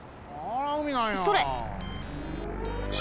それ。